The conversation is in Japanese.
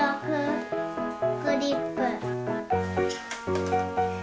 クリップ。